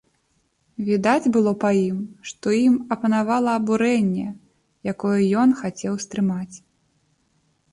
Відаць было па ім, што ім апанавала абурэнне, якое ён хацеў стрымаць.